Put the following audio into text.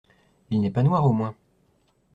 Il n’est pas noir au moins ?